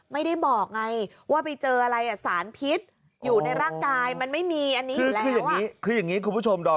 เหมือนกันกับสารวัตต์ปู